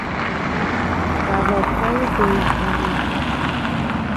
جوابهای گریز آمیز